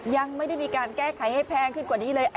ยังไม่ได้มีการแก้ไขให้แพงขึ้นกว่านี้เลย